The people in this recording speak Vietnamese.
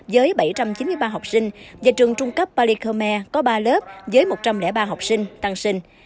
với bảy trăm chín mươi ba học sinh và trường trung cấp bali khmer có ba lớp với một trăm linh ba học sinh tăng sinh